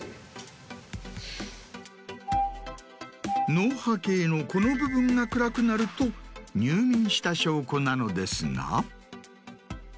脳波計のこの部分が暗くなると入眠した証拠なのですが。